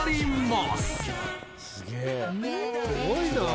すごいな。